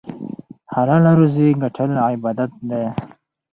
حلاله روزي ګټل عبادت دی.